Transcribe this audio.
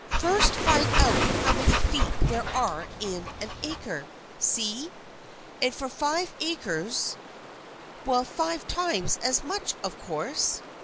First find out how many feet there are in an acre. See? And for five acres "" Why, five times as much, of course."